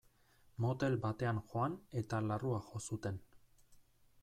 Motel batean joan eta larrua jo zuten.